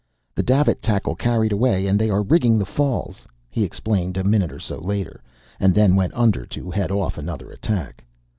"The davit tackle carried away, and they are rigging the falls," he explained, a minute or so later, and then went under to head off another attack.